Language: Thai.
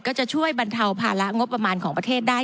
ก็จะช่วยบรรเทาภาระงบประมาณของประเทศได้